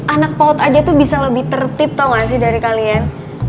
anak paut aja tuh bisa lebih tertip tau gak sih dari kalian